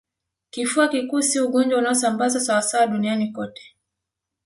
Kifua kikuu si ugonjwa unaosambazwa sawasawa duniani kote